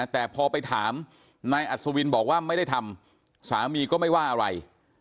แต่พอไปถามนายอัศวินบอกว่าไม่ได้ทำสามีก็ไม่ว่าอะไร